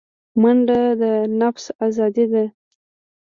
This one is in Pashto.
منډه د نفس آزادي ده